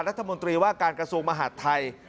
รัฐมนตรีว่าการกระทรวงมหาดไทย